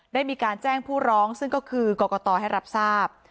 ได้มีการแจ้งผู้ร้องซึ่งก็คือกรกตให้รับทราบ